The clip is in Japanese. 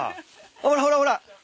ほらほらほら。